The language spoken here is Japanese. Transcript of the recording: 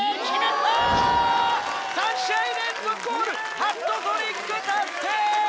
３試合連続ゴールハットトリック達成！